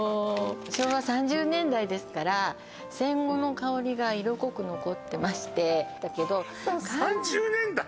昭和３０年代ですから戦後の香りが色濃く残ってまして原さん３０年代！？